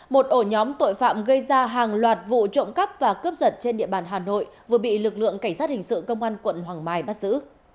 một ổ nhóm tội phạm gây ra hàng loạt vụ trộm cắp và cướp giật trên địa bàn hà nội vừa bị lực lượng cảnh sát hình sự công an quận hoàng mai bắt giữ